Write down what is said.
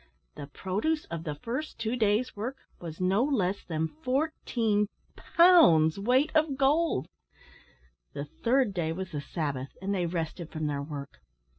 The produce of the first two days' work was no less than fourteen pounds weight of gold! The third day was the Sabbath, and they rested from their work.